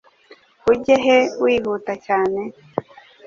Ujya he wihuta cyane?